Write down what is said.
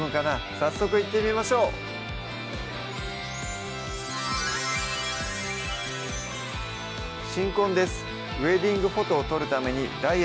早速いってみましょうあります！